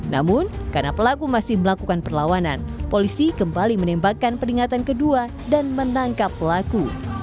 namun karena pelaku masih melakukan perlawanan polisi kembali menembakkan peringatan kedua dan menangkap pelaku